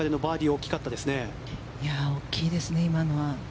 大きいですね、今のは。